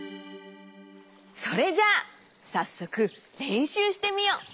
それじゃあさっそくれんしゅうしてみよう。